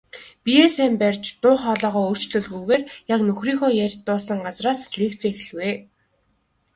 Биеэ сайн барьж, дуу хоолойгоо өөрчлөлгүйгээр яг нөхрийнхөө ярьж дууссан газраас лекцээ эхлэв.